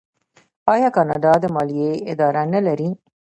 آیا کاناډا د مالیې اداره نلري؟